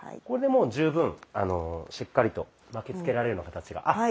これでもう十分しっかりと巻きつけられるような形が。